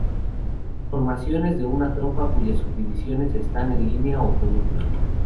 Formaciones de una tropa cuyas subdivisiones están en línea o columna.